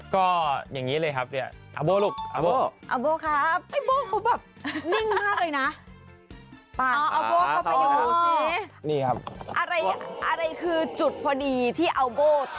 ก็อย่างนี้เลยครับเนี่ยอัลโบ้ลูกอัลโบ้